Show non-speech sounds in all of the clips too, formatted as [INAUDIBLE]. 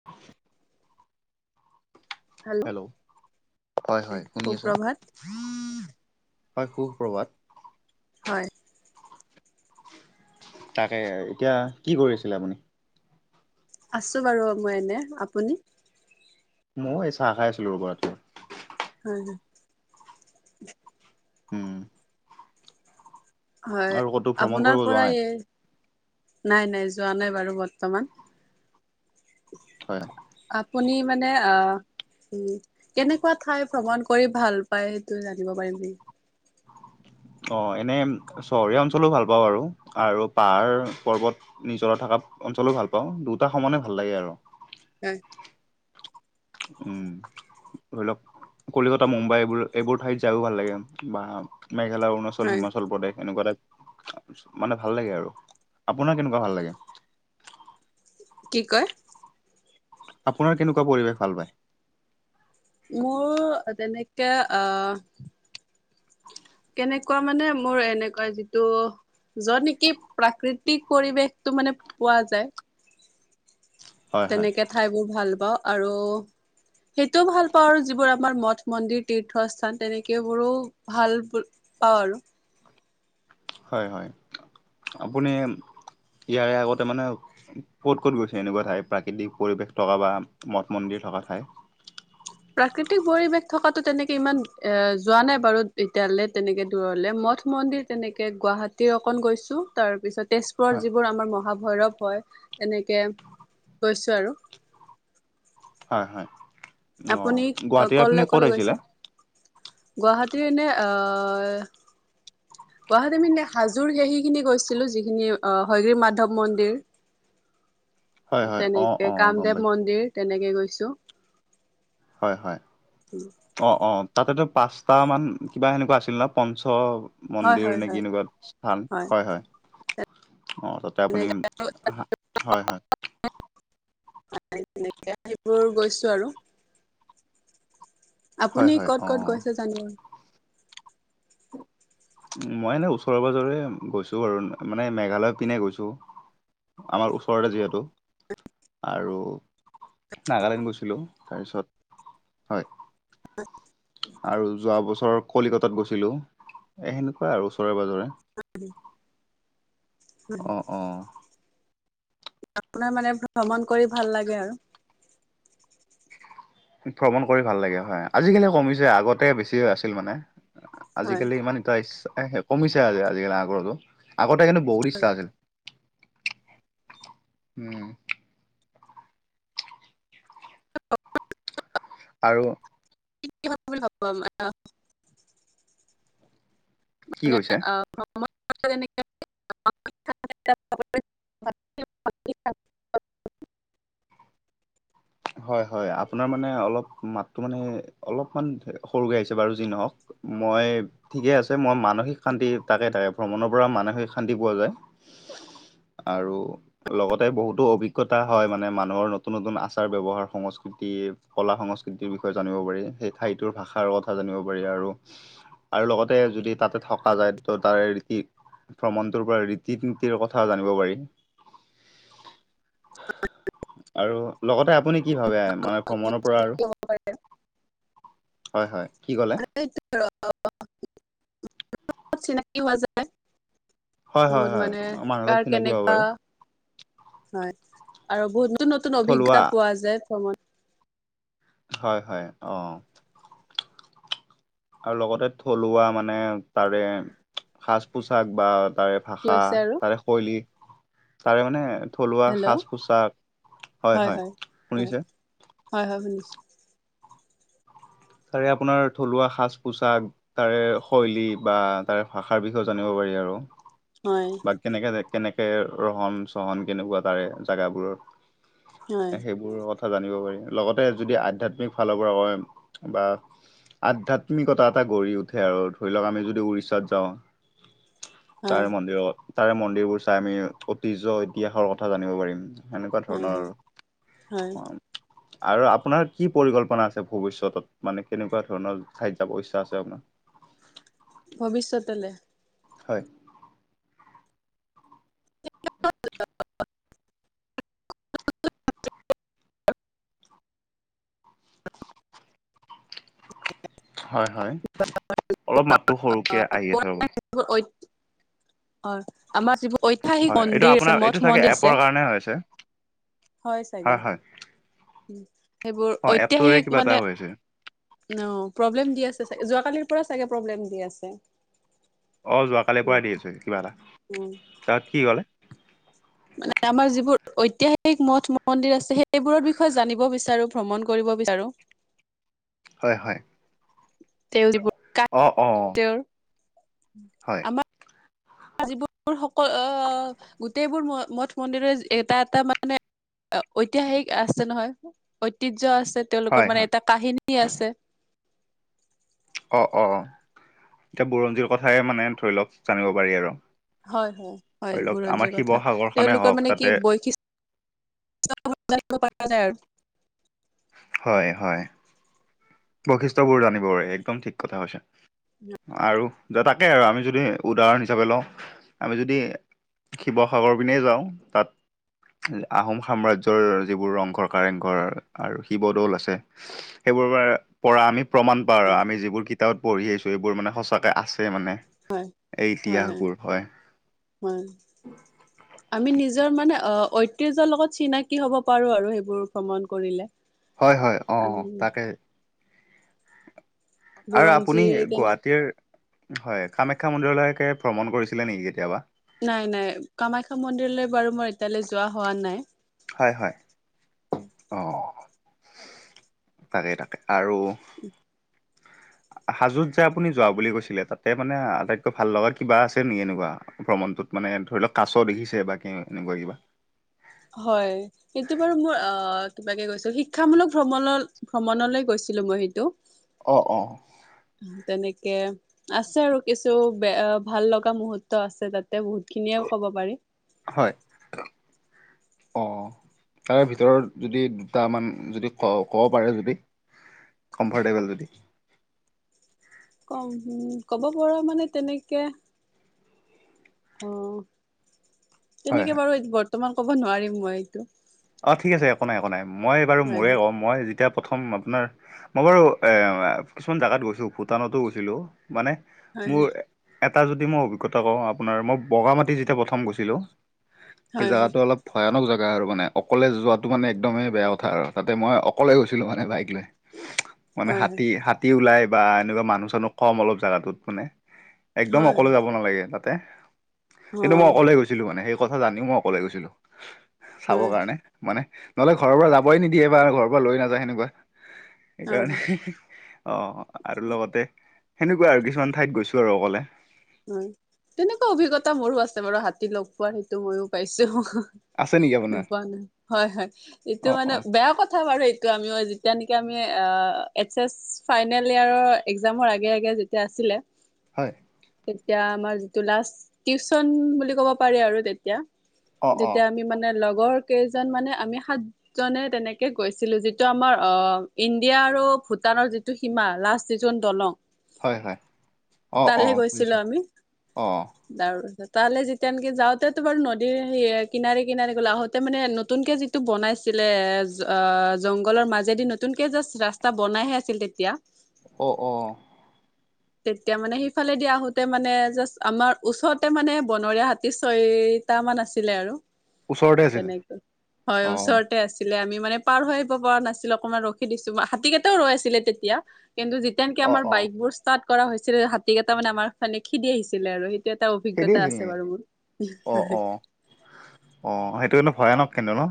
[INAUDIBLE] Hello হয় হয় শুনি আছা? সুপ্ৰভাত হয় সু প্ৰভাত। হয় তাকে এতিয়া কি কৰি আছিলে আপুনি? আছো বাৰু মই এনেই আপুনি? মই এই চাহ খাই আছিলোঁ ৰ'বা। হয় হয় উম হয় আৰু ক'তো ভ্ৰমণ কৰিব আপোনাৰ যোৱা পৰা নাই? এই নাই নাই যোৱা নাই বাৰু বৰ্তমান। [INAUDIBLE] হয় আপুনি মানে অ। উ কেনেকুৱা ঠাই ভ্ৰমণ কৰি ভাল পায় সেইটো জানিব পাৰিম নে? অঁ এনেই চহৰীয়া অঞ্চলো ভাল পাওঁ বাৰু আৰু পাহাৰ পৰ্বত। নিজৰা থকা অঞ্চলো ভাল পাওঁ দুটা সমানে ভাল লাগে আৰু উম উম ধৰি লওক কলিকতা মুম্বাই এইবোৰ এইবোৰ ঠাইত যায়ও ভাল লাগে, বা! মেঘালয়, অৰুণচল, হয় হিমাচল প্ৰদেশ এনেকুৱা ৰাজ্য। মানে ভাল লাগে আৰু আপোনাৰ কেনেকুৱা ভাল লাগে? কি কয়? আপোনাৰ কেনেকুৱা পৰিৱেশ ভাল পায়? মোৰ তেনেকে অ! কেনেকুৱা মানে মোৰ এনেকুৱা যিটো! যত নেকি প্ৰাকৃতিক পৰিৱেশটো মানে পোৱা যায়। হয় হয় তেনেকে ঠাইবোৰ ভাল পাওঁ আৰু! সেইটোও ভাল পাওঁ আৰু যিবোৰ আমাৰ মঠ মন্দিৰ তীৰ্থস্থান তেনেকে বোৰো। ভাল পাওঁ আৰু! হয় হয় আপুনি ইয়াৰে আগতে মানে! ক'ত ক'ত গৈছে এনেকুৱা ঠাই প্ৰাকৃতিক পৰিৱেশ থকা বা মঠ মন্দিৰ থকা ঠাই। প্ৰাকৃতিক পৰিৱেশ থকাটো তেনেকে ইমান এ যোৱা নাই বাৰু এতিয়ালে। তেনেকে দূৰলে মঠ মন্দিৰ তেনেকে গুৱাহাটীৰ অকল গৈছো তাৰ পিছত। হয় তেজপুৰত যিবোৰ আমাৰ মহাভৈৰৱ হয়, এনেকৈ গৈছোঁ আৰু। হয় হয় অ আপুনি গুৱাহাটী আপুনি কলে ক'ত কলে গৈছে আহিছিলে? গুৱাহাটীৰ এনে অ ই! গুৱাহাটীৰ পিনে হাজোৰ সেখিনি গৈছিলো যিখিনি অ হয়গ্ৰিৱ মাধৱ মন্দিৰ। হয় হয় অ তেনেকে অ গম কামদেৱ পাইছো মন্দিৰ তেনেকে গৈছোঁ। হয় হয় অ অ তাতেতো পাঁচটামান কিবা সেনেকুৱা আছিল না পঞ্চ হয় মন্দিৰ হয় নেকি হয় এনেকুৱা স্থান হয় হয় অ ত! তে আপুনি তেনেকে হয় হয়। তেনেকে সেইবোৰ গৈছো আৰু। হয় আপুনি হয় ক'ত অ ক'ত গৈছে জনাব। মই এনে ওচৰে পাজৰে গৈছো বাৰু মানে মেঘালয় পিনে গৈছো। আমাৰ ওচৰতে যিহেতু। আৰু নাগালেণ্ড গৈছিলোঁ তাৰপিছত হয়। আ আৰু যোৱা বছৰ কলিকতাত গৈছিলো এ সেনেকুৱাই আৰু ওচৰে পাজৰে। উ অ অ আপোনাৰ মানে ভ্ৰমণ কৰি ভাল লাগে আৰু! ভ্ৰমণ কৰি ভাল লাগে হয় আজিকালি কমিছে আগতে বেছি আছিল মানে। হয় আজিকালি ইমান এটা ইচ্ছ এহে কমিছে আজি আজিকালি আগৰটো। আগতে কিন্তু বহুত ইচ্ছা আছিল উম। [INAUDIBLE] আৰু [UNINTELLIGIBLE] বুলি ভাবিব আমাক। কি মানে কৈছে আ অসমত টো তেনেকে! [UNINTELLIGIBLE] হয় হয় আপোনাৰ মানে অলপ মাতটো মানে অলপমান সৰু কে আহিছে বাৰু যি নহওক। মই ঠিকে আছে মই মানসিক শান্তি তাকে তাকে ভ্ৰমণৰ পৰা মানসিক শান্তি পোৱা যায়। আৰু লগতে বহুতো অভিজ্ঞতা হয় মানে মানুহৰ নতুন নতুন আছে। আচাৰ ব্যৱহাৰ সংস্কৃতি কলা সংস্কৃতিৰ বিষয়ে জানিব পাৰি সেই ঠাইতৰ ভাষাৰ লগত। কথা জানিব পাৰি আৰু আৰু লগতে যদি তাতে থকা যায় ত তাৰে কি! ভ্ৰমণটোৰ পৰা ৰীতি নীতিৰ কথা জানিব পাৰি। [INAUDIBLE] আৰু লগতে আপ! আপুনি কি ভাবে মানে ভ্ৰমণৰ পৰা আৰু হয় হয় কি ক'লে? [UNINTELLIGIBLE] চিনাকিও হোৱা যায়। হয় হয় বহুত হয় মানে মানুহ অলপ কাৰ চিনাকি হ'ব কেনেকা। পাৰি হয় আৰু বহুত নতুন নতুন থলুৱা অভিজ্ঞতা পোৱা যায় ভ্ৰমণ। হয় হয় অ আৰু লগতে মানে থলুৱা মানে তাৰে সাজ পোচাক বা তাৰে! ভাষা হৈছে আৰু তাৰে শৈলী তাৰে মানে! থলুৱা হেল্ল' সাজ পোছাক হয় হয় শুনিছে? হয় হয় শুনিছো। তাৰে আপোনাৰ থলুৱা সাজ পোছাক। তাৰে শৈলী বা তাৰে ভাষাৰ বিষয়ে জানিব পাৰি আৰু। হঁয় বাত কেনেকে যে কেনেকে ৰহন চহন কেনেকুৱা তাৰে জেগাবোৰৰ। হয় সেইবোৰ কথা জানিব পাৰি লগতে যদি আধ্যয়াত্মিক ফালৰ পৰা কয়। বা আধ্যাত্মিকতা এটা গঢ়ি উঠে আৰু ধৰি লওক আমি যদি উৰিষ্যাত যাওঁ। হয় তাৰে মন্দিৰত। তাৰে মন্দিৰবোৰ চাই আমি ঐতিহ্য ইতিহাসৰ কথা জানিব পাৰিম। সেনেকুৱা হয় ধৰণৰ, হয় হয় অঁ'। আৰু আপোনাৰ কি পৰিকল্পনা আছে ভৱিষ্যতত? মানে কেনেকুৱা ধৰণ ঠাইত যাব ইচ্ছা আছে আপোনা? ভৱিষ্যতলে। হয়। [UNINTELLIGIBLE] হয় হয়, অলপ মাততো সৰুকে আহি আছে ৰব। ঐ [UNINTELLIGIBLE] আমাৰ যিবোৰ ঐ [UNINTELLIGIBLE] ঐতিহাসিক হয় এইটো মন্দিৰ আছে আপোনাৰ এইটো মঠ চাগে মন্দিৰ এপৰ আছে। কাৰণে হৈ আছে হয় চাগে, সেইবোৰ অ এপটোৰে ঐতিহাসিক কিবা এটা মানে- হৈ আছে। নৌ, প্ৰব্লেম দি আছে চাগে, যোৱাকালিৰ পৰা চাগে প্ৰব্লেম দি আছে। অঁ' যোৱাকালিৰ পৰাই দি আছে কিবা এটা, তাত কি ক'লে? মানে আমাৰ যিবোৰ ঐতিহাসিক মঠ মন্দিৰ আছে সেইবোৰৰ বিষয়ে জানিব বিচাৰো ভ্ৰমণ কৰিব বিচাৰো। হয় হয়। [UNINTELLIGIBLE] অঁ' অঁ'। তেওঁৰ। হয়। আযিবোৰ সক, অঁ' গোটেইবোৰ ম-মঠ মন্দিৰেই এটা এটা মানে- অঁ' ঐতিহাসিক আছে নহয়, ঐতিহ্য আছে তেওঁলোকৰ হয় মানে হয় এটা কাহিনী আছে। অঁ' অঁ' এতিয়া বুৰঞ্জীয় কথাই মানে ধৰি লওক মানে জানিব পাৰি আৰু। হয় হয় হয়, ধৰি লওক আমাৰ বুৰঞ্জীৰ কথা। শিৱসাগৰখনে তেওঁলোকৰ হওক মানে তাতে কি বৈশিষ্ট- [UNINTELLIGIBLE] পাৰা যায় আৰু। হয় হয়। বৈশিষ্টবোৰ জানিব একদম ঠিক কথা কৈছা। [UNINTELLIGIBLE] অঁ' আৰু য, তাকে আমি যদি উদাহৰণ হিচাপে লওঁ আমি যদি- শিৱসাগৰ পিনেই যাওঁ তাত- আহোম সাম্ৰাজ্যৰ যিবোৰ ৰংঘৰ কাৰেংঘৰ আৰু শিৱদৌল আছে- সেইবোৰ [UNINTELLIGIBLE] পৰা আমি প্ৰমাণ পাওঁ আৰু হয়, আমি যিবোৰ কিতাপত পঢ়ি আহিছো সেইবোৰ মানে সঁচাকে আছে মানে। হয়, এই হয় হয়, ইতিহাসবোৰ হয়। [UNINTELLIGIBLE] আমি নিজৰ মানে অঁ' ঐতিহ্যৰ লগত চিনাকি হ'ব পাৰো আৰু সেইবোৰ ভ্ৰমণ কৰিলে। হয় হয় আমি অঁ' তাকে। আৰু আপুনি বুৰঞ্জীৰ কেনে গুৱাহাটীৰ হয়। কামাখ্যা মন্দিৰলেকে ভ্ৰমণ কৰিছিলে নেকি কেতিয়াবা? নাই নাই কামাখ্যা মন্দিৰলৈ বাৰু মই এতিয়ালৈ যোৱা হোৱা নাই। হয় হয় অঁ' তাকে তাকে আৰু- হাজোত যে আপুনি যোৱা বুলি কৈছিলে তাতে মানে আটাইতকৈ ভাল লগা কিবা আছে নেকি এনেকুৱা- ভ্ৰমণটোত মানে ধৰি লওক কাছ দেখিছে বা কেঁ এনেকুৱা কিবা? হয়। এইটো বাৰু মোৰ অঁহ' কিবাকে গৈছিল শিক্ষামূলক ভ্ৰমলল ভ্ৰমণলে গৈছিলো মই সেইটো। অঁ' অঁ'। উমঁ' তেনেকে আছে আৰু কিছু বে ভাল লগা মুহুৰ্ত আছে, তাতে বহুত খিনিয়ে ক'ব পাৰি। হয়', অ',। তাৰে ভিতৰত যদি দুটামান যদি ক'- ক'ব পাৰে যদি। কমফৰ্টেবল যদি। ক'- ক'ব পৰা মানে তেনেকে। অ', হয় তেনেকে হয় বাৰু এই বৰ্তমান ক'ব নোৱাৰিম মই এইটো। অ', ঠিক আছে একো নাই- একো নাই মই বাৰু হয় মোৰে কওঁ মই যেতিয়া প্ৰথম আপোনাৰ মই বাৰু এ' কিছুমান জাগাত গৈছো, ভূটানতো গৈছিলোঁ। মানে হয় মোৰ এটা যদি মই অভিজ্ঞতা কওঁ, আপোনাৰ মই বগা মাটি যেতিয়া প্ৰথম গৈছিলোঁ। এই হয় হয় জেগাটো অলপ ভয়ানক জেগা আৰু মানে। অকলে যোৱাটো মানে একদমেই বেয়া কথা আৰু তাতে মই অকলে গৈছিলোঁ মানে বাইক লৈ। মানে হয় হয় হাতী- হাতী ওলাই বা এনেকুৱা মানুহ-চানুহ কম অলপ জাগাটোত মানে। একদম হয় অকলে যাব নালাগে তাতে, কিন্তু মই হয় অকলে গৈছো। ছিলোঁ মানে হেই কথা জানিও মই অকলে গৈছিলোঁ চাব হয় কাৰণে। মানে নহ'লে ঘৰৰ পৰা যাবই নিদিয়ে বা ঘৰৰ পৰা লৈ নাযায় সেনেকুৱা। হয় সেইকাৰণে অ', আৰু লগতে সেনেকুৱা আৰু কিছুমান ঠাইত গৈছো আৰু অকলে। হয়', তেনেকুৱা অভিজ্ঞতা মোৰো আছে বাৰু, হাতী লগ পোৱা সেইটো মইও পাইছোঁ। আছে নেকি আপোনাৰ নোপোৱা নাই হয়', হয়', অ এইটো মানে অ বেয়া কথা বাৰু এই তো আমিও যেতিয়া নেকি আমি অ', এইচ এছ ফাইনেল ইয়াৰৰ একজামৰ আগে- আগে যেতিয়া আছিলে হয়',। তেতিয়া আমাৰ যিটো লাষ্ট টিউচন বুলি ক'ব পাৰি আৰু তেতিয়া অ অ যেতিয়া আমি মানে লগৰ কেইজন মানে আমি সাত সাতজনে তেনেকে গৈছিলোঁ, যিটো আমাৰ অ', ইণ্ডিয়া আৰু ভূটানৰ যিট টো সীমা লাষ্ট যিজন দলং। হয়', হয়', অ', অ',। [UNINTELLIGIBLE] বুজিছো অ তাৰ তাহলে যেতিয়া এনকে যাওঁতেতো বাৰু নদীৰ সে কিনাৰে- কিনাৰে গ'ল আহোঁতে মানে নতুনকে যি টো বনাইছিলে অ', জংঘলৰ মাজেদি নতুনকে জাষ্ট ৰাস্তা বনাইহে আছিল তেতিয়া। অ', অ',। তেতিয়া মানে সিফালে দি আহোঁত তে মানে জাষ্ট আমাৰ ওচৰতে মানে বনৰীয়া হাতী ছয়টামান আছিলে আৰু। ওচৰতে আছিল তেনেকৈ হয়' অ ওচৰত। ৰতে আছিলে আমি মানে পাৰ হৈ আহিব পৰা নাছিলোঁ অকমান ৰখি দিছো, হাতীকেইটাওঁ ৰৈ আছিলে তেতিয়া। কিন্তু যেতিয় নেকি অ আমাৰ অ বাইক বোৰ ষ্টাৰ্ট কৰা হৈছিল, হাতী কেইটা মানে আমাক মানে খেদি আহিছিলে আৰু সেই তে এটা খেদি অভিজ্ঞতা আছিল আছে নেকি বাৰু অ মোৰ। অ অ', সেইটো কিন্তু ভয়ানক কিন্তু ন'।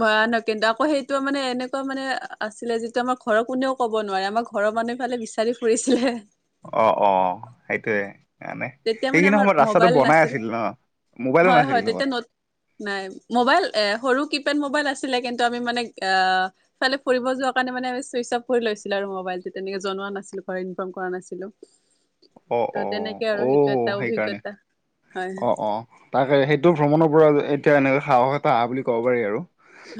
ভয়ানক কিন্তু আকৌ সেইটো মানে এনেকুৱা মানে আছিলে, যিটো আমাৰ ঘৰৰ কোনেওঁ ক'ব নোৱাৰে আমাৰ ঘৰৰ মানুহ ইফালে বিচাৰি ফুৰিছিলে। অ', অ', সেইটোয়ে, এনে তেতিয়া মানে সেইখিনি আমাৰ সময়ত ৰাস্তাটো মোবাইল বনাই নাছিল আছিল ন'। মোবাইলোঁ হয় নাছিল হয় লগত? তেতিয়া ন নাই মোবাইল এ' সৰু কিপেড মোবাইল আছিলে, কিন্তু আমি মানে এ' ইফালে ফুৰিব যোৱাৰ কাৰণে মানে চুইচ অফ কৰি লৈছিলো আৰু মোবাইল টো, তেনেকে জনোৱা নাছিলোঁ ইনফৰ্ম কৰা নাছিলোঁ। অ', অ', অও, সেইটো এটা সেইকাৰণে অভিজ্ঞতা হয় অ', অ',। তাকে সেইটো ভ্ৰমণৰ পৰা এতিয়া এনে সাহস এটা আঁহা বুলি ক'ব পাৰি আৰু।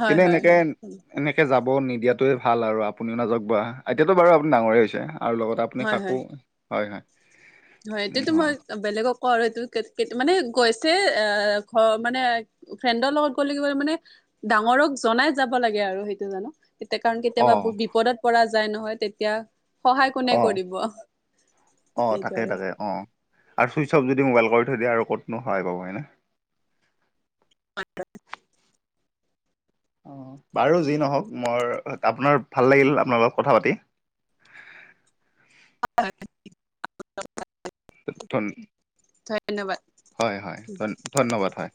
হয় কিন্তু হয় এনেকে হয় এনেকে যাব নিদিয়াটোৱে ভাল আৰু আপুনিওঁ নাযাওঁক বা এতিয়াতো বাৰু আপুনি ডাঙৰেই হৈছে আৰু লগত আপ! মানে হয় কাকো হয় হয় -হয়। হয় এইটোটোটো মই উম বেলেগক কওঁ আৰু এইটো মই বেলেগক কও মানে গৈছে এ ঘৰ মানে। ফ্ৰেণ্ডৰ লগত গ'লে মানে, ডাঙৰক জনাই যাব লাগে আৰু সেইটো জানো। তেতিয়া কাৰণ কেতিয়াবা অ', বহুত বিপদত পৰা যায় নহয়, তেতিয়া। সহায় কোনে কৰিব। তাকেই আৰু তাকে, অঁ আৰু ছুইচ অফ যদি মোবাইল কৰি থৈ দিয়ে আৰু ক'তনো সহায় পাব হয়নে। অ' অ' বাৰু যি নহওক, মোৰ আপোনাৰ ভাল লাগিল আপোনাৰ লগত কথা পাতি। হয়, নতুন ধন্যবাদ। হয় হয় ধন ধন্যবাদ হয়।